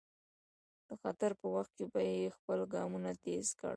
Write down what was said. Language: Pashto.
د خطر په وخت کې به یې خپل ګامونه تېز کړل.